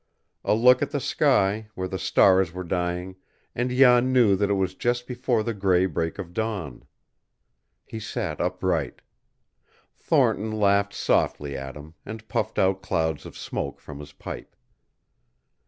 A look at the sky, where the stars were dying, and Jan knew that it was just before the gray break of dawn. He sat upright. Thornton laughed softly at him, and puffed out clouds of smoke from his pipe.